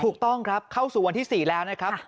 ถูกต้องครับเข้าสู่วันที่๔แล้วนะครับ